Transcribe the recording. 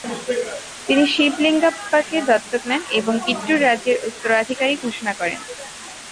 তিনি শিবলিঙ্গাপ্পাকে দত্তক নেন এবং কিট্টুর রাজ্যের উত্তরাধিকারী ঘোষণা করেন।